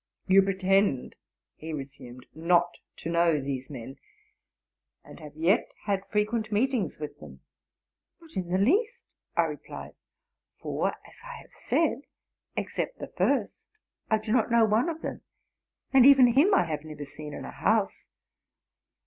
'* You pretend,'' he resumed, '*not to know these men, and have yet had frequent mect ings with them,'"' ~~'' Not in the Jeast,'? I replied; '* for, 174 TRUTH AND FICTION. as I have said, except the first, I do not know one of them, and even him I have never seen in a house.